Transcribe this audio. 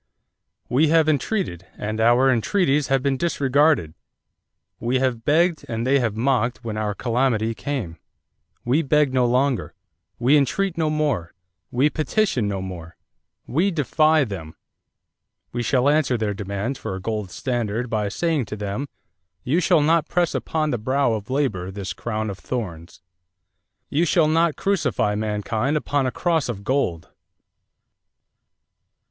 We have entreated and our entreaties have been disregarded. We have begged and they have mocked when our calamity came. We beg no longer; we entreat no more; we petition no more. We defy them.... We shall answer their demands for a gold standard by saying to them, 'You shall not press upon the brow of labor this crown of thorns. You shall not crucify mankind upon a cross of gold.'"